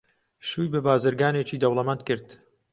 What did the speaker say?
شووی بە بازرگانێکی دەوڵەمەند کرد.